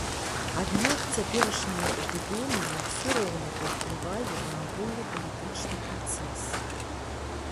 Аднак цяперашняя эпідэмія ўсё роўна паўплывае на агульны палітычны працэс.